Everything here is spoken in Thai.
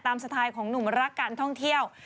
สไตล์ของหนุ่มรักการท่องเที่ยว